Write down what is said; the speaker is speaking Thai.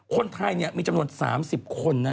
คนไทยมีจำนวน๓๐คนนะ